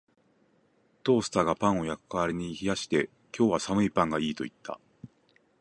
トースターがパンを焼く代わりに冷やして、「今日は寒いパンがいい」と言った